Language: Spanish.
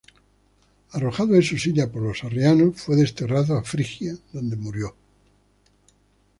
Arrojado de su silla por los arrianos, fue desterrado a Frigia, donde murió.